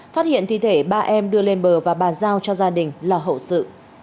phát hiện thi thể ba em đưa lên bờ và bàn giao cho gia đình lo hậu sự